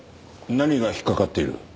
何が引っかかっている？